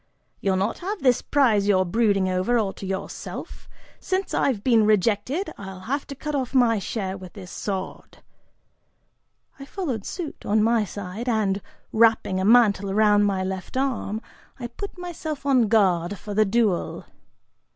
"You'll not have this prize you're brooding over, all to yourself! Since I've been rejected, I'll have to cut off my share with this sword." I followed suit, on my side, and, wrapping a mantle around my left arm, I put myself on guard for the duel.